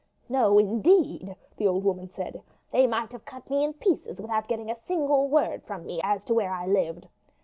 "No, indeed," the old woman said. "They might have cut me in pieces without getting a single word from me as to where I lived.